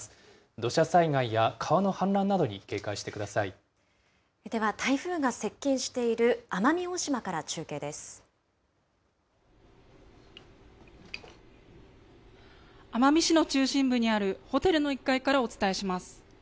土砂災害や川の氾濫などに警戒しでは、台風が接近している奄奄美市の中心部にあるホテルの１階からお伝えします。